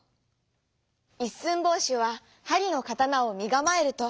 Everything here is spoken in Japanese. いっすんぼうしははりのかたなをみがまえると。